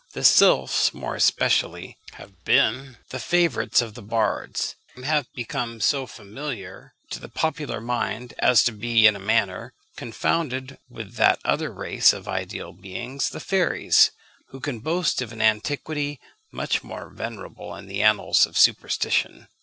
The sylphs, more especially, have been the favourites of the bards, and have become so familiar to the popular mind as to be, in a manner, confounded with that other race of ideal beings, the fairies, who can boast of an antiquity much more venerable in the annals of superstition.